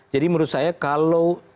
jadi menurut saya kalau